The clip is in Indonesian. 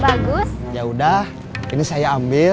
bagus ya udah ini saya ambil